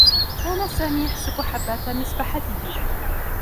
كان سامي يحسب حبّات مسبحته.